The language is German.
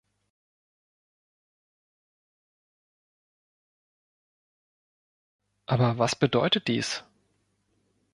Aber was bedeutet dies?